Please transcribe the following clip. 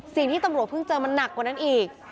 สิ่งที่ตำรวจเพิ่งเจอมันหนักกว่านั้นอีก